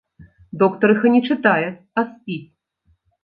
Доктарыха не чытае, а спіць.